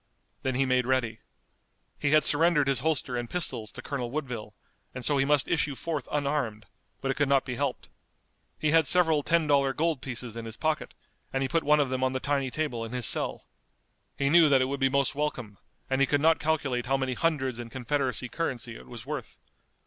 Then he made ready. He had surrendered his holster and pistols to Colonel Woodville, and so he must issue forth unarmed, but it could not be helped. He had several ten dollar gold pieces in his pocket, and he put one of them on the tiny table in his cell. He knew that it would be most welcome, and he could not calculate how many hundreds in Confederacy currency it was worth.